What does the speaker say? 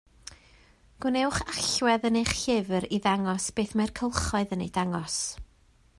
Gwnewch allwedd yn eich llyfr i ddangos beth mae'r cylchoedd yn eu dangos.